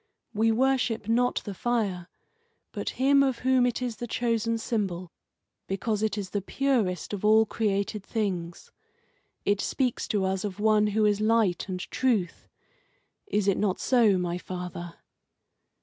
We worship not the fire, but Him of whom it is the chosen symbol, because it is the purest of all created things. It speaks to us of one who is Light and Truth. Is it not so, my father?"